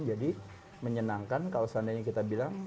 jadi menyenangkan kalau seandainya kita bilang